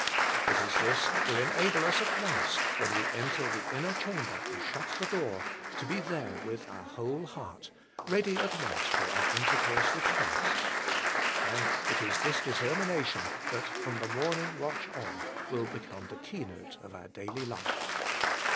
It is this will enable us at once, when we enter the inner chamber and shut the door, to be there with our whole heart, ready at once for our intercourse with Christ. And it is this determina tion that, from the morning watch on, wiU become the keynote of our daily life.